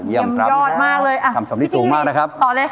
ยำยอดมากเลยอ่ะพี่จีนต่อเลยค่ะ